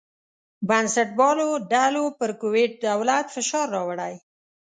بنسټپالو ډلو پر کویت دولت فشار راوړی.